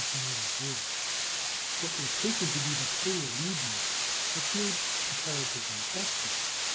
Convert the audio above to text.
What were taken to be the polar regions appeared comparatively dusky.